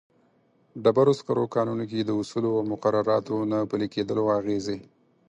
ډبرو سکرو کانونو کې د اصولو او مقرراتو نه پلي کېدلو اغېزې.